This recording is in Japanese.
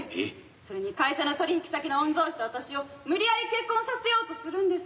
それに会社の取引先の御曹子と私を無理やり結婚させようとするんです。